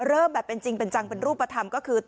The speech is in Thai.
เริ่มแบบเป็นจริงเป็นจังเป็นรูปธรรมก็คือ